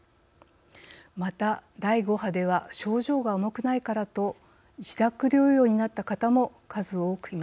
また第５波では症状が重くないからと自宅療養になった方も数多くいました。